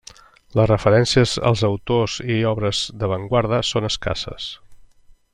Les referències als autors i obres d'avantguarda són escasses.